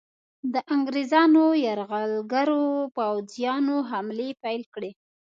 د انګریزانو یرغلګرو پوځیانو حملې پیل کړې.